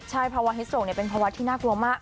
ใช่เพราะว่าฮิตโรคเป็นเพราะว่าที่น่ากลัวมาก